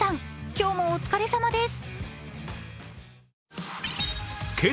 今日もお疲れさまです。